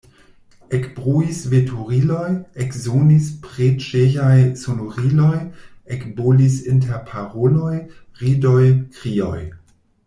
Ekbruis veturiloj, eksonis preĝejaj sonoriloj, ekbolis interparoloj, ridoj, krioj.